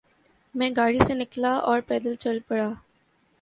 میں گاڑی سے نکلا اور پیدل چل پڑا۔